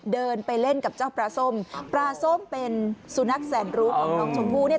เดินไปเล่นกับเจ้าปลาส้มปลาส้มเป็นสุนัขแสนรู้ของน้องชมพู่เนี่ย